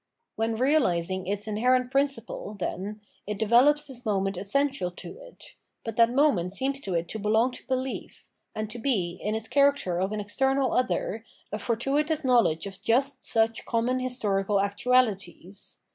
When reahsing its inherent principle, then, it develops this moment essential to it ; but that moment seems to it to belong to behef, and to be, in its character of an external other, a fortuitous knowledge of just such common historical actuaUties.